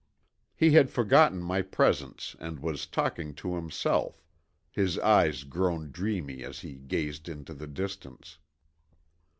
He had forgotten my presence and was talking to himself, his eyes grown dreamy as he gazed into the distance.